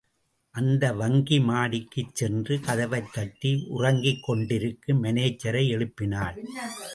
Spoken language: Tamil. அந்த வங்கி மாடிக்குச் சென்று, கதவைத் தட்டி, உறங்கிக் கொண்டிருக்கும் மானேஜரை எழுப்பினாள்.